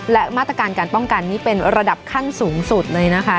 และมาตรการการป้องกันนี่เป็นระดับขั้นสูงสุดเลยนะคะ